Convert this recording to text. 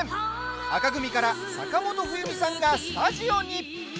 紅組から坂本冬美さんがスタジオに。